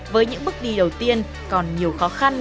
với những bước đi đầu tiên còn nhiều khó khăn